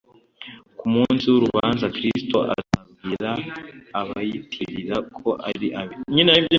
Ku munsi w'urubanza Kristo azabwira abiyitirira ko ari abe